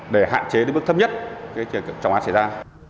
để hạn chế đến bước thấp nhất trọng án xảy ra